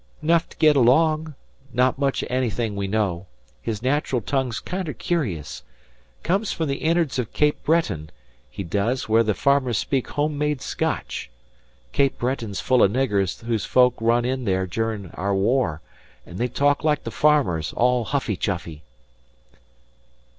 "'Nough to get along. Not much o' anything we know. His natural tongue's kinder curious. Comes from the innards of Cape Breton, he does, where the farmers speak homemade Scotch. Cape Breton's full o' niggers whose folk run in there durin' aour war, an' they talk like farmers all huffy chuffy."